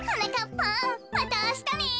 ぱんまたあしたね。